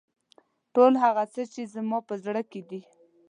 ټول هغه څه چې زما په زړه کې دي.